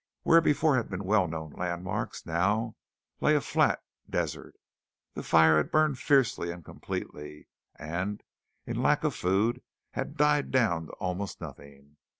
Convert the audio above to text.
Where before had been well known landmarks now lay a flat desert. The fire had burned fiercely and completely, and, in lack of food, had died down to almost nothing.